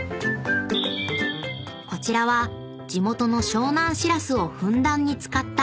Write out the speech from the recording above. ［こちらは地元の湘南シラスをふんだんに使った］